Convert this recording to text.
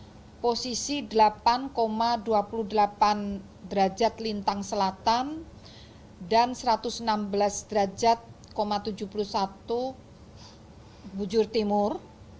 di posisi delapan dua puluh delapan derajat lintang selatan dan satu ratus enam belas derajat tujuh puluh satu bujur timur